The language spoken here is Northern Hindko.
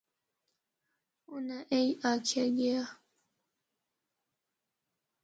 اُناں اے آکھیا گیا۔